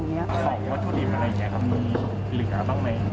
ของวัตถุงนี่พอได้ใช้ครับมีเหลือบ้างไหม